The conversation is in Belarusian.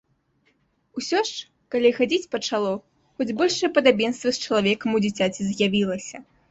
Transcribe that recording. Усё ж, калі хадзіць пачало, хоць большае падабенства з чалавекам у дзіцяці з'явілася.